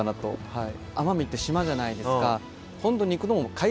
はい。